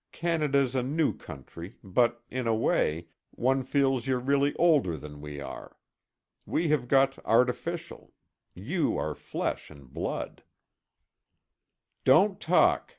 Canada's a new country, but, in a way, one feels you're really older than we are. We have got artificial; you are flesh and blood " "Don't talk!"